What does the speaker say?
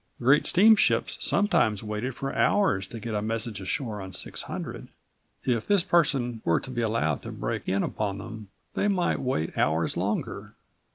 Great steamships sometimes waited for hours to get a message ashore on 600. If this person were to be allowed to break in upon them they might wait hours longer.